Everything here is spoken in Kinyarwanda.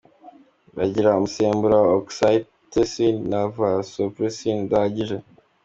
Bagira umusemburo wa Oxyticin na Vasopressin udahagije.